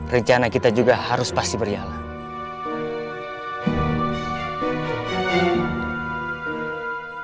rencana kita juga harus pasti berjalan